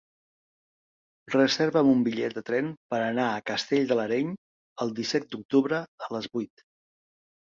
Reserva'm un bitllet de tren per anar a Castell de l'Areny el disset d'octubre a les vuit.